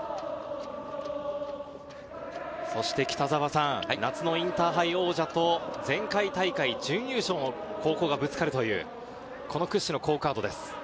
そして、夏のインターハイ王者と前回大会準優勝校がぶつかるというこの屈指の好カードです。